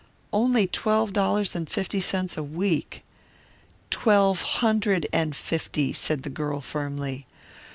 "Only twelve dollars and fifty cents a week!" "Twelve hundred and fifty," said the girl firmly.